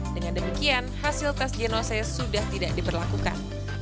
dengan demikian hasil tes genose sudah tidak diperlakukan